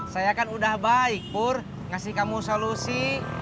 saya kan udah baik pur ngasih kamu solusi